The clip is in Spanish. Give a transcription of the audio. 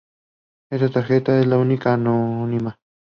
Esta tarjeta es la única anónima.